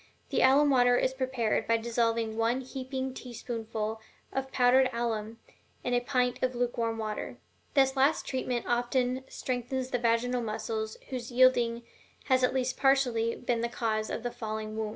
The alum water is prepared by dissolving one heaping teaspoonful of powdered alum in a pint of lukewarm water. This last treatment often strengthens the vaginal muscles whose yielding has at least partially been the cause of the falling womb.